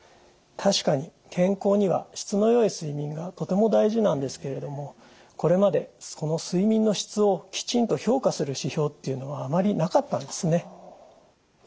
確かに健康には質の良い睡眠がとても大事なんですけれどもこれまでその睡眠の質をきちんと評価する指標っていうのはあまりなかったんですね。